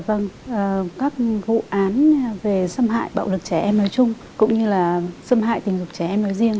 vâng các vụ án về xâm hại bạo lực trẻ em nói chung cũng như là xâm hại tình dục trẻ em nói riêng